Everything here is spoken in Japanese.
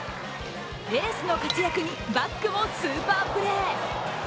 エースの活躍にバックもスーパープレー。